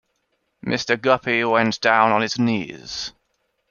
Mr. Guppy went down on his knees.